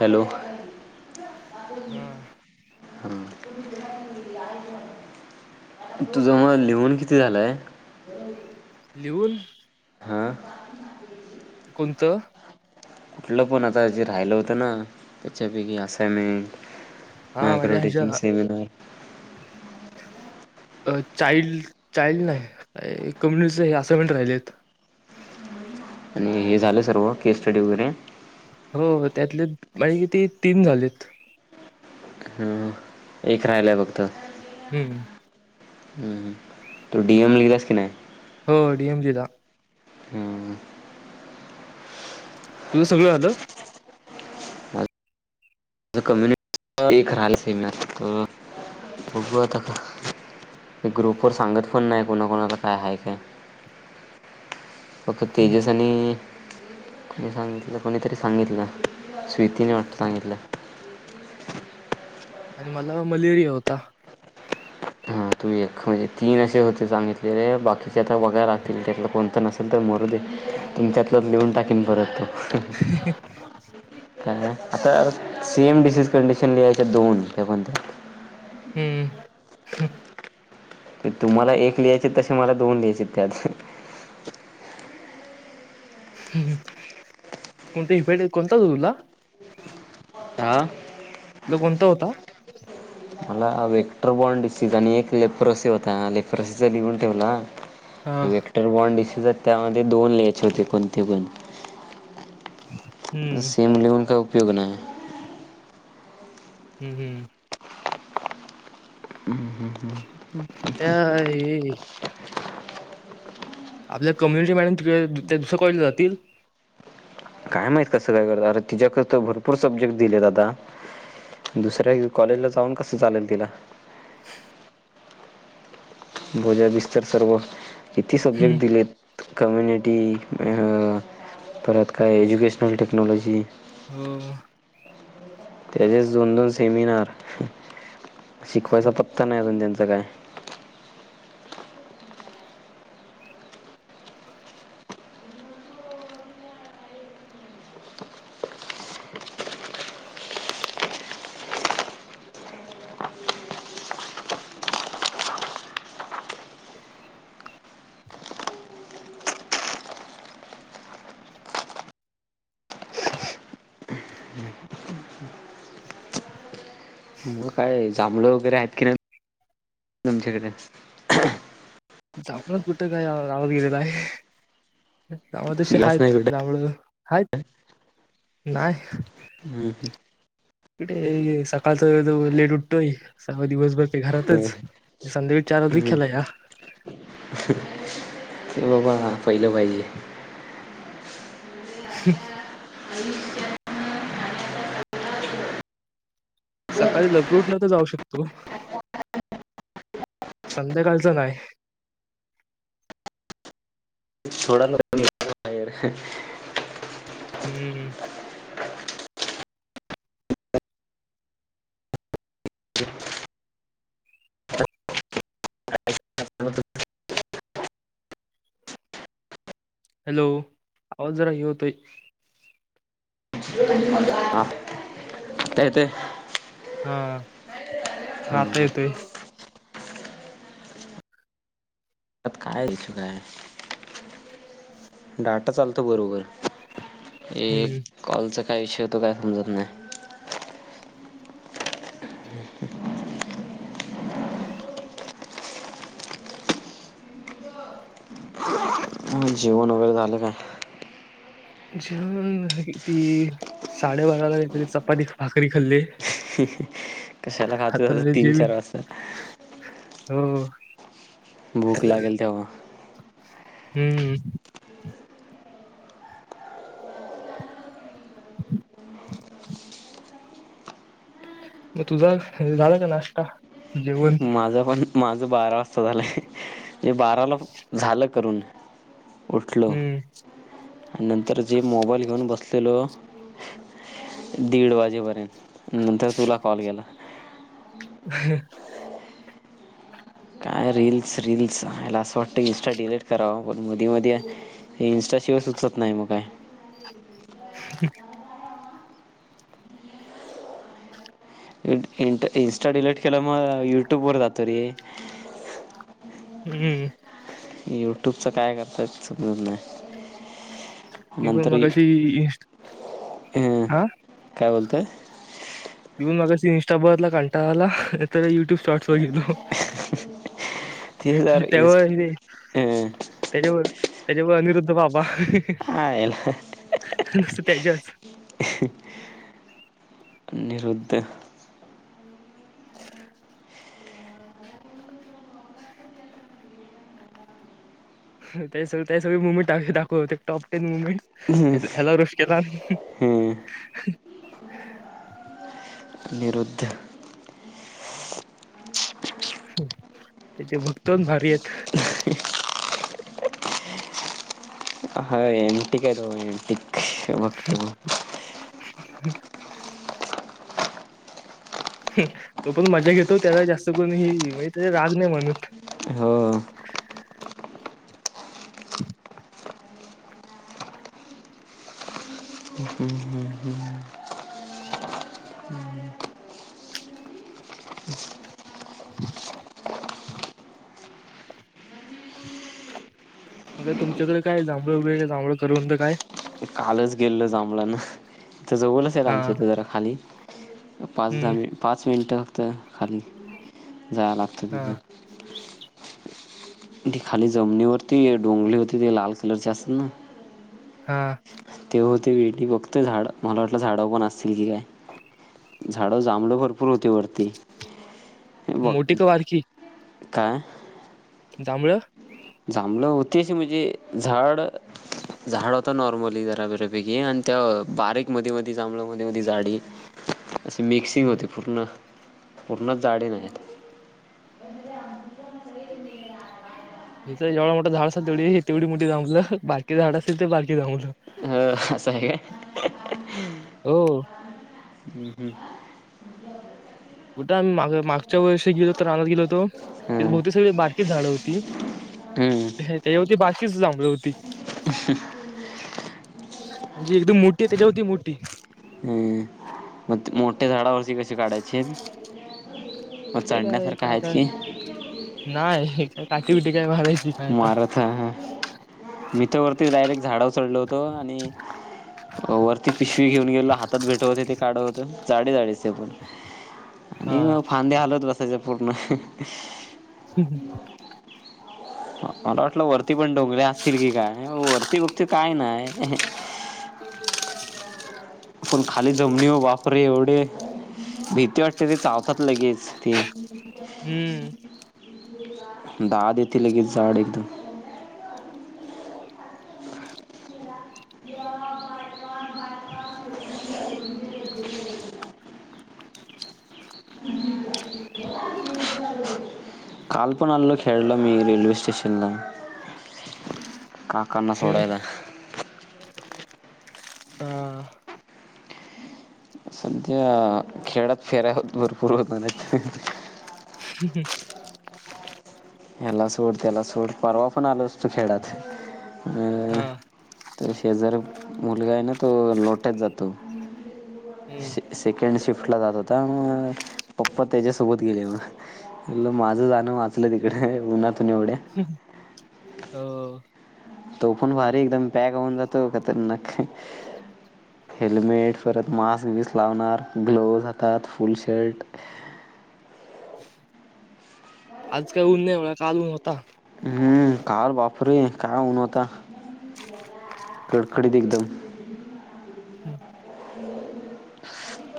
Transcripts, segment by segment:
Hello. हा [unintelligible] तुझ म लिहून किती झालंय? लिहून? हा! कोणतं? कुठलं पण आता जे राहिलं होतं. ना त्याच्यापैकी असाइनमेंट? हा मायक्रो माझ्या टेकिंग ह्याच्या सेमिनार. अ चाईल्ड चाइल्ड नाही कम्युनि असाइन्मेंट राहिलेत. आणि हे झालं सर्व केस स्टडी वगैरे. हो त्यातले माझे किती तीन झालेत. ह एक राहिलाय फक्त. हम्म. हम् तू डीएम लिहिलास कि नाही? हो डीएम लिहिला. हं. तुझ सगळ झाल? द कम्युनिटी एक राहिल सेमीनार अ बघू आता ग्रुप वर सांगत पण नाही कोणाकोणाला काय हाय काय. फक्त तेजस आणि कोणी सांगितलं कोणीतरी सांगितलं स्वीतीने वाट सांगितलं. आणि मला मलेरिया होता. हां तुम् एक म्हणजे तीन असे होते. सांगितले रे बाकीचे आता बघायला लागतील, त्यातलं कोणतं नसेल तर मरू दे, तुमच्यातल च लिहून टाकीन परत तो. काय [unintelligible] आता सेम डिसीज कंडिशन लिहायच्या दोन त्या पण हम्म. तुम्हाला एक लिहायचे तसे मला दोन लिहायचे त्यात. कोणते हपेटित कोणता होता तुला? आ? तो कोणता होता? मला वेक्टरबॉ्ड डिसज आणि एक लेपरसी होता. लेपरसीचा लिवून ठेवला. हा विक्टर बॉनडस. त्यामध्ये दोन लिंहायचे होते कोणते पण. हठी [unintelligible] सेम लेवन का उ उपयोग नाही. हम्म हम्म त्या ए ए ए आपल्या कम्युनिटी मॅडम तीक त्या दुसरं कॉलेज जातील. काय माहित कसं काय करत, अरे तिच्याकडे तर भरपूर सब्जेक्ट दिलेत, आता दुसऱ्या कॉलेजला जाऊन कसं चालेल तिला. बोजा विस्तर सर्व. किती सब्जेक्ट हम्म. दिलेत. कम्युनिटी परत काय एज्युकेशनल टेक्नॉलॉजी. हो. त्याचेच दोन दोन सेमिनार. शिकवायचा पत्ता नाही अजून त्यांचा जगय मग काय जांभळ वगैरे आहेत की नाही तुमच्याकडे जांभळ कुठं काय रावत गेलेलं आहे गाव तशी याच आहेत नाही कुठे जांभळ ह नाहीय कुठे सकाळचा लेट उठतोय सर्व दिवसभर ते घरातच संध्याकाळी चार वाज खेळायला हां पहिलं पाहिजे ह सकाळी लवकर उठलो तर जाऊ शकतो संध्याकाळचं नाहीय थोडा लवकर उठलो हम्म हॅलो आवाज जरा ये होतय हा येतंय हा हा आता येतोय आत काय तच काय डाटा चालतो बरोबर एक हम्म कॉलचा काही विषय हो तो काय समजत नाही जेवण वगैरे झालं का जेवण ती साडेबाराला काहीतरी चपाती भाकरी खाल्ली कशाला खातोत आता तीन जेवीन चार वाजता हो भूक लागल तेंव्हा हम्म मग तुझा झाला का नाश्ता जेवण माझा पण माझ बारा वाजता झाले ते बाराला झालं. करून. हम्म. आणि नंतर जे मोबाईल घेऊन बसलेलो, दीड वाजेपर्यंत. नंतर तुला कॉल केला. हम्. काय रील्स रील्स आयला आईला असं वाटतं इन्स्टा डिलीट करावं पण मधी मधी इन्स्टाशिवाय सुचत नाही मग काय. [inaudible] इ इन्स्टा डिलीट केलं मग युट्यूब वर जातो र. हम्म. युट्यूबचं काय करतात समजत नाही. मी पण नंतर ये मगाशी इन्स्ट अं हा काय बोलताय? मी मगाशी इंस्टा [unintelligible] कांटाळाला तर युट्यूब शॉट्स बघितलो. तीस हजार इन्स्ट त्यावर हेे हं त्याच्यावर त्याच्यामुळ अनिरुद्ध बाबा. हा येला. [unintelligible] त्याच्याच युद्ध. [unintelligible] सगळे मुमेंट दाखवते टॉप टेन मुव ह्याला रोष हं [unintelligible] निरुद्ध त्याचे भक्तण भारी आहेत. [unintelligible] बघतो [inaudible] तो पण मजा घेतो त्याजा जास्त कोण हे म्हणजे, त्या राग नाही म्हणत. हो हम. मग तुमच्याकडे काय जांभळ [unintelligible] जांभळं करवंद काय. कालच गेलं जांभळे आणाय. इथं जवळचाय हा आमच्या इथे जरा खाली. पाच दहा हम्म मिन पाच मिनटं. तर खाली. जाया लागत हा तिथं. ती खाली जमनीवरती डोंगळी होती. ते लाल कलरची असतात ना. हा. ते होते [inaudible] फक्त झाड मला वाटलं झाडावर पण असतील की काय झाड जांभळं भरपूर होते वरती. बघ मोठी का बारकी. काय. जांभळं. जांभळं होतीच म्हणजे झाड झाड होता नॉर्मली जरा [unintelligible] आणि त्या बारीक मध्ये मध्ये जांभळ मध्ये मध्ये झाडे असे मिक्सिंग पूर्ण. पूर्ण झाडे नाहीत. हे तर जेवढा मोठं झाड असाल तेवढी हे तेवढी मोठी जांभळं बारकी झाड असेल ते बारकी जांभळं तर असं आहे काय हो हम् हम् कुठं आम्ही माग मागच्या वर्षी गेलो हो तर रानात गेलो होतो त्या हम्म बहतेक सगळी बारकीच झाड होती हम्म. हम्म त्याच्यावरती बारकीच जांभळ होती म्हणजे एकदम मोठी आहे त्याच्यावरती मोठी झाडावररची कशी काढायची मग ते काय चढण्यासारखं काय आहेत तर की नाय [inaudible] [inaudible] मी तर वरती डायरेक्ट झाडावर चढलो होतो आणि वरती पिशवी घेऊन गेलो हातात भेटवते ते काढत होत जाडे जाडेच पण हा आणि मग फांदे हालत बसायचे अह ह [inaudible] मला वाटलं वरती पण डोंगल्या असतील की काय वरती बघतो काय नाही अह. पण खाली जमीनीवर बापरे एवढे भीती वाटते ते चावतात लगेच ते हम्म दहा दे लगेच झाड येत काल पण आणलं, खेळलं मी रेल्वे स्टेशनला. काकांना हम्म सोडायला आ त्या खेळात फेऱ्या होत भरपूर होणारेत ह [inaudible] ह्याला सोड, त्याला सोड, परवा पण आलो असतो खेळात. हा जर मुलगा आहे ना तो लोट्यात जातो. हम्म से सेकंड शिफ्ट. कठला जात होता मग पप्पा त्याच्यासोबत गेले मग माझं जाणं वाचलं हे उन्हात एवढ्या हो तो पण भारी एकदम पॅक होऊन जातो खतरनाक ह हेल्मेट परत मास्क बिस लावणार, ग्लोवज हातात, फुल शर्ट आज काय ऊन नाही म्हणा काल ऊन होता हम्म काल बाप रे काय ऊन होता, कडकडीत एकदम. [inaudible]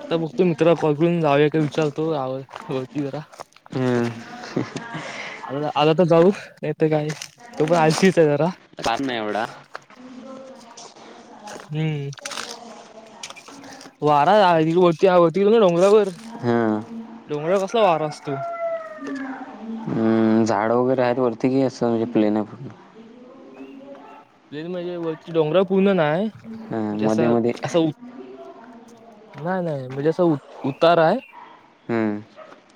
आता बघतो मित्रला कॉल करून झाले का विचारतो झालं की वरती जरा [inaudible] आ आला तर जाऊ, नाहीतर काय, तो पण आळशीच आहे जरा. फार नाही एवढा हम्म वारा हाये वरती, वरती बघा डोंगरावर, हा डोंगरावर कसला वारा असतो. वर आहे वरतीही असं म्हणजे प्लेन आहे फक्त प्लेन म्हणजे वरती डोंगरावर? पूर्ण नाही अं, म्हणजें मध्ये असं मध्ये असं नाही नाही म्हणजे असं उतार आहे. हम्म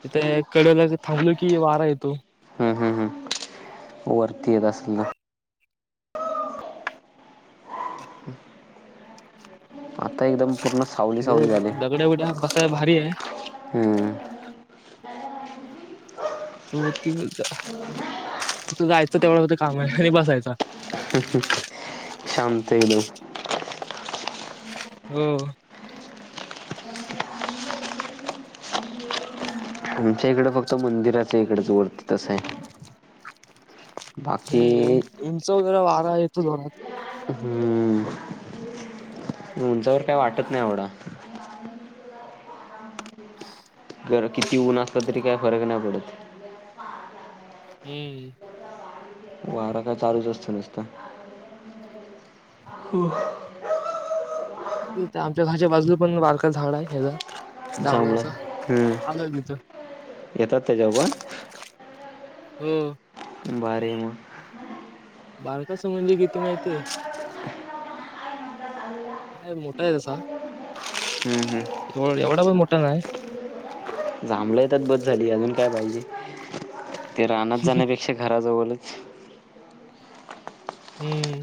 इथे कडेला थांबलो की वारा येतो. हम्म, हम्म, हम्म. वरती येत असल आता एकदम पूर्ण सावली सावली झालीये. काय भारी आहे. हम्म तु त जायचं तेवढं फक्त काम आहे घरी बसायच. ह ह ह शांत एकदम. हो आमच्या इकडं फक्त मंदिराच इकडच वरती त सं हाय ती उंच वारा येतो जोरात. हम्म उंचावर काय वाटत नाही एवढं. किती ऊन असल तरी काय फरक नाही पडत. हम्म वारा काय चालूच असतं नुसता. हो ते आमच्या घरच्या बाजू पण बारका झाड आहे ह्याचा. जांभळ जांभळाचा हं आलोय तिथं येतात त्याच्यावर पण हम्म भारी मग भारताचं म्हणजे किती माहिताय. हाय मोठा आहेे तसा हम्म, हम्म. एवढा पण मोठा. ठा नाही जांभळ येतात बस झाली अजून काय पाहिजे. ते रानात जाण्यापेक्षा घराजवळच. हम्म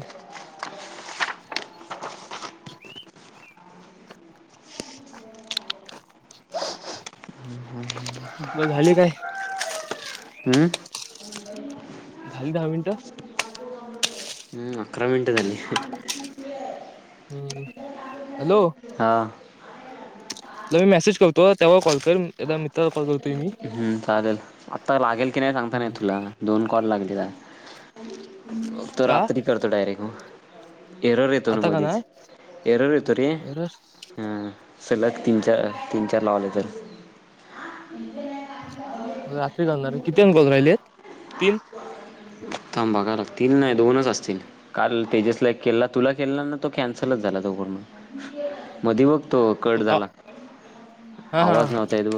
झाली काय. हम्म झाली दहा मिनटं. हम्म अकरा मिनटं झाली. हम्म हॅलो हा मी मेसेज करतो त्यावर कॉल कर ए मित्रावर कॉल करतोय मी. ह् चालेल आत्ता लागेल की नाही सांगता नाही हा येत तुला दोन कॉल लागेत जा बघतो का रात्री करतो डायरेक्ट मग. [inaudible] आता का नाय सलग तीन चार तीन चार लावले तर रात्री घालणार आहे किती [inaudible] राहिले आहेत तीन थांब बघायला लागतील नाही दोनच असतील काल तेजसला एक केला तुला केला ना तो कॅन्सलच झाला तो पूर्ण मधी बघ तो तू कट का झाला हा हा आवाज नव्हता येत